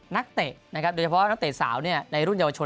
เตะนะครับโดยเฉพาะนักเตะสาวในรุ่นเยาวชน